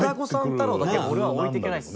太郎だけを俺は置いていけないです。